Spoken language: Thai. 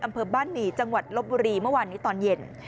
อำเภอบ้านหมี่จังหวัดลบบุรีเมื่อวานนี้ตอนเย็น